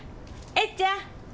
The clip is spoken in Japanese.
えっちゃん！